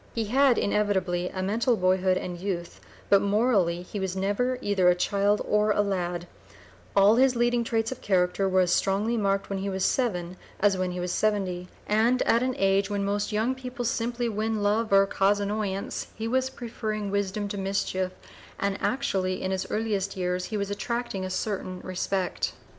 He had inevitably a mental boyhood and youth, but morally he was never either a child or a lad; all his leading traits of character were as strongly marked when he was seven as when he was seventy, and at an age when most young people simply win love or cause annoyance, he was preferring wisdom to mischief, and actually in his earliest years was attracting a certain respect.